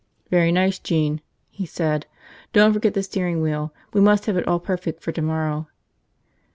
"Very nice, Gene," he said. "Don't forget the steering wheel. We must have it all perfect for tomorrow."